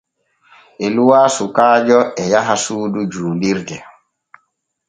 Eluwa sukaajo e yaha suudu juulirde.